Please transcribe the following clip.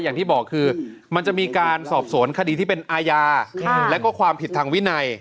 อย่างที่บอกคือมันจะมีการสอบสวนคดีที่เป็นอาญาแล้วก็ความผิดทางวินัย